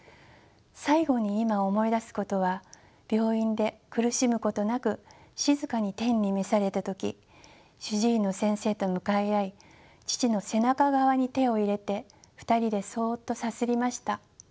最後に今思い出すことは病院で苦しむことなく静かに天に召された時主治医の先生と向かい合い父の背中側に手を入れて２人でそっとさすりました。